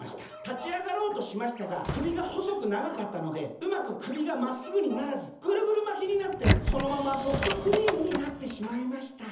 たちあがろうとしましたがくびがほそくながかったのでうまくくびがまっすぐにならずぐるぐるまきになってそのままソフトクリームになってしまいました。